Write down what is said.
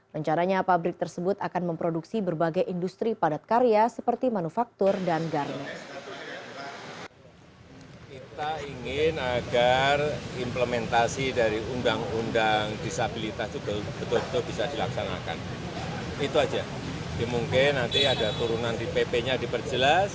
rencananya pabrik tersebut akan memproduksi berbagai industri padat karya seperti manufaktur dan garnet